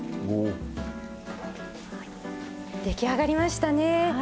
出来上がりましたね。